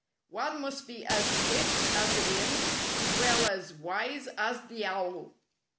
"One must be as swift as the wind as well as wise as the owl."